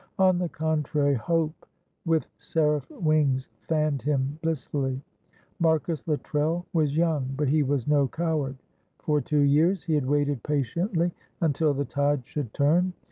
On the contrary, hope with seraph wings fanned him blissfully. Marcus Luttrell was young, but he was no coward. For two years he had waited patiently until the tide should turn.